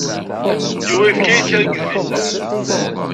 Yuba yefka-yi-d kra n yidlisen.